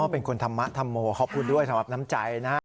เป็นคนทำมะทำโหมขอบคุณด้วยสำหรับน้ำจัยนะ